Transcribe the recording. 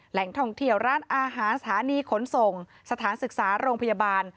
แหล่งท่องเที่ยวร้านอาหารสถานีขนส่งสถานศึกษาโรงพยาบาล